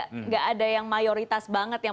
tidak ada yang mayoritas banget yang